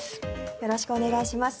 よろしくお願いします。